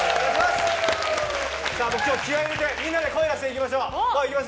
今日は気合を入れて声を出していきましょう。